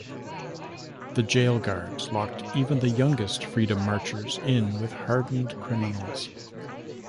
The jail guards locked even the youngest freedom marchers in with hardened criminals.